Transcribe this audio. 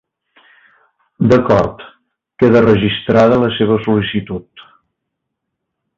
D'acord queda registrada la seva sol·licitud.